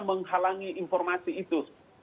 menghalangi informasi itu